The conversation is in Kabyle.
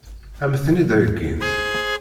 Ad m-ten-id-heggint?